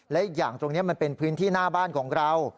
และอีกอย่างตรงนี้มันเป็นพื้นที่หน้าบ้านของเรา